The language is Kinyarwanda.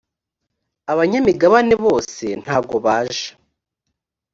abanyamigabane bose ntagobaje.